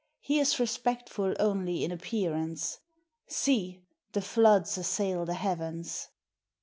He is respectful only in appearance. See! the floods assail the heavens."